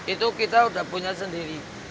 itu kita sudah punya sendiri